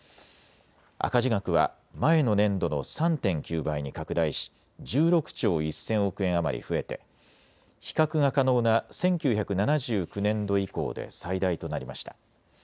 赤字額は前の年度の３．９倍に拡大し１６兆１０００億円余り増えて比較が可能な１９７９年度以降で最大となりました。